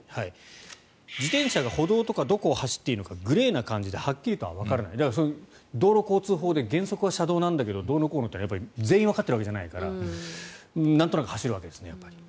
自転車が歩道とかどこを走っていいのかグレーな感じではっきりとはわからない道路交通法で原則は車道なんだけどというのは全員わかっているわけじゃないからなんとなく走るわけです。